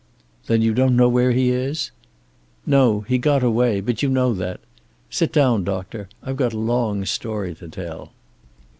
"Then you don't know where he is?" "No. He got away but you know that. Sit down, doctor. I've got a long story to tell."